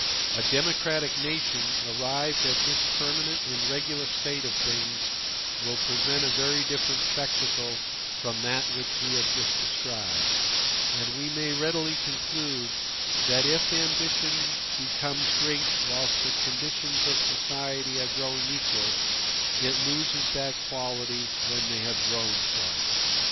A democratic nation, arrived at this permanent and regular state of things, will present a very different spectacle from that which we have just described; and we may readily conclude that, if ambition becomes great whilst the conditions of society are growing equal, it loses that quality when they have grown so.